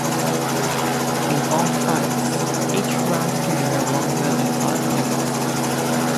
In all fights, each round can be no longer than five minutes.